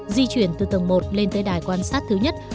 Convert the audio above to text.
di chuyển từ tầng một lên tới đài quan sát thứ nhất